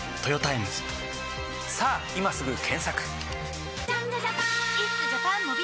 さぁ今すぐ検索！